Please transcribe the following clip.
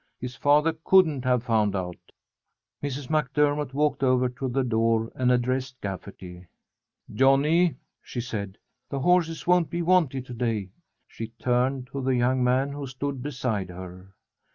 His father couldn't have found out." Mrs. MacDermott walked over to the door and addressed Gafferty. "Johnny," she said, "the horses won't be wanted to day." She turned to the young man who stood beside her.